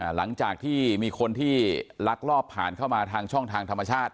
หลังจากที่มีคนที่ลักลอบผ่านเข้ามาทางช่องทางธรรมชาติ